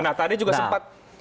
nah tadi juga sempat